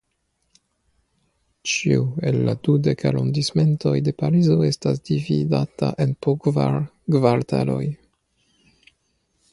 Ĉiu el la du dek Arondismentoj de Parizo estas dividata en po kvar kvartaloj.